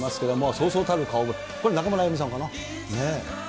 そうそうたる顔ぶれ、これ、中村あゆみさんかな。